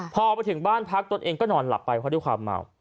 พอไปถึงบ้านพักตนเองก็นอนหลับไปเพราะด้วยความเมา